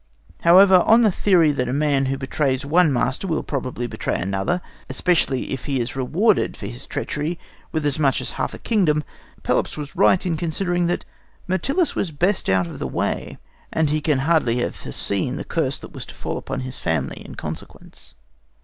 However, on the theory that a man who betrays one master will probably betray another, especially if he is to be rewarded for his treachery with as much as half a kingdom, Pelops was right in considering that Myrtilus was best out of the way; and he can hardly have foreseen the curse that was to fall upon his family in consequence.